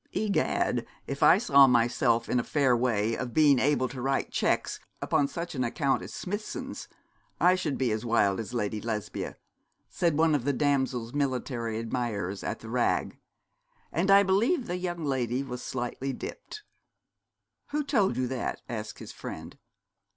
'Egad, if I saw myself in a fair way of being able to write cheques upon such an account as Smithson's I should be as wild as Lady Lesbia,' said one of the damsel's military admirers at the Rag. 'And I believe the young lady was slightly dipped.' 'Who told you that?' asked his friend.